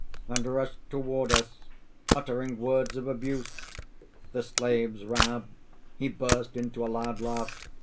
and rushed toward us, uttering words of abuse. The slaves ran up; he burst into a loud laugh.